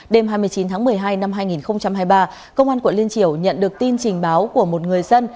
đêm hai mươi chín tháng một mươi hai năm hai nghìn hai mươi ba công an quận liên triều nhận được tin trình báo của một người dân